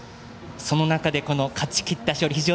その中で、勝ちきった勝利。